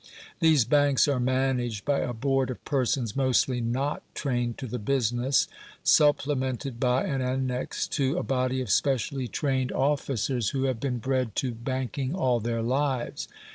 These banks are managed by a board of persons mostly NOT trained to the business, supplemented by, and annexed to, a body of specially trained officers, who have been bred to banking all their lives.